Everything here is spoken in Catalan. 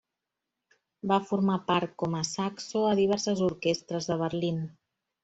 Va formar part, com a saxo, a diverses orquestres de Berlín.